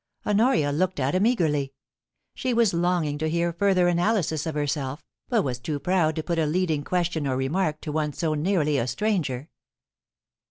Honoria looked at him eagerly. She was longing to hear further analysis of herself, but was too proud to put a leading question or remark to one so nearly a stranger.